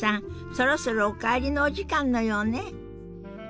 そろそろお帰りのお時間のようね。